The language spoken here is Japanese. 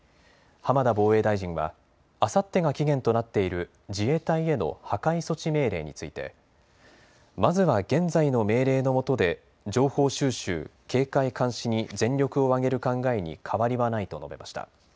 浜田防衛大臣はあさってが期限となっている自衛隊への破壊措置命令についてまずは現在の命令のもとで情報収集、警戒監視に全力を挙げる考えに変わりはないと述べました。